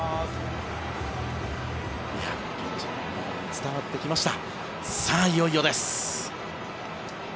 伝わってきました。